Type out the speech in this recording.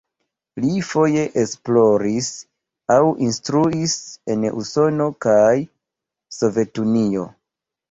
Li foje esploris aŭ instruis en Usono kaj Sovetunio.